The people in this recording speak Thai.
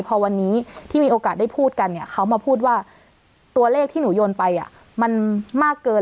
พอวันนี้ที่มีโอกาสได้พูดกันเนี่ยเขามาพูดว่าตัวเลขที่หนูโยนไปมันมากเกิน